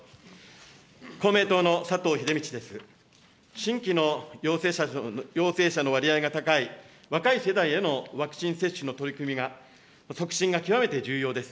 新規の陽性者の割合が高い若い世代へのワクチン接種の取り組みが、促進が極めて重要です。